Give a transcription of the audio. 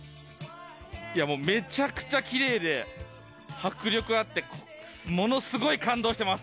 めちゃくちゃきれいで迫力あってものすごい感動してます。